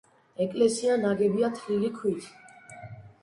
ეკლესია ნაგებია თლილი ქვით.